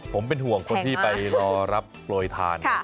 ผมเป็นห่วงคนที่ไปรอรับโปรยทาน